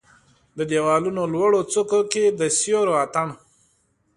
د د یوالونو لوړو څوکو کې د سیورو اټن